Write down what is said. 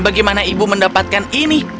bagaimana ibu mendapatkan ini